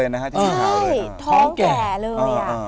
ใช่ท้องแก่เลย